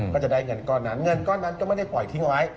ก็จะได้เงินก้อนนั้นเงินก้อนนั้นก็ไม่ได้ปล่อยทิ้งเอาไว้